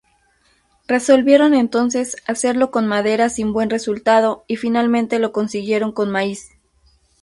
Resolvieron entonces hacerlo con madera sin buen resultado y finalmente lo consiguieron con maíz.